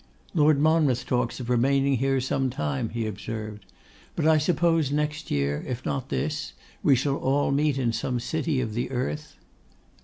'Lord Monmouth talks of remaining here some time,' he observed; 'but I suppose next year, if not this, we shall all meet in some city of the earth?